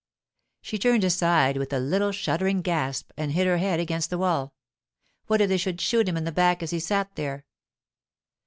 She turned aside with a little shuddering gasp and hid her head against the wall. What if they should shoot him in the back as he sat there?